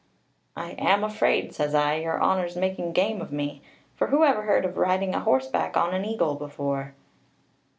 'I am afraid,' says I, 'your honour's making game of me; for who ever heard of riding a horseback on an eagle before?'